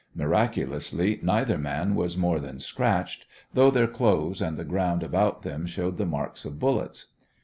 Miraculously, neither man was more than scratched, though their clothes and the ground about them showed the marks of bullets.